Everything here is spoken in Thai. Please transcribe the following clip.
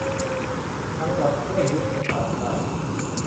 การขับเคลื่อนยุทธศาสตร์ชาติ